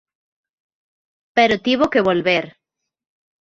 Pero tivo que volver.